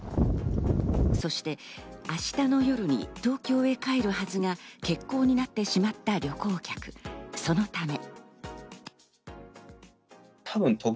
そして明日の夜に東京へ帰るはずが欠航になってしまった旅行客、そのため。